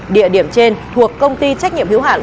địa điểm trên thuộc công ty trách nhiệm hữu hạn